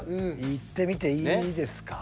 いってみていいですか？